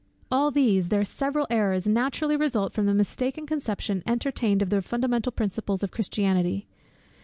ALL THESE THEIR SEVERAL ERRORS NATURALLY RESULT FROM THE MISTAKEN CONCEPTION ENTERTAINED OF THE FUNDAMENTAL PRINCIPLES OF CHRISTIANITY.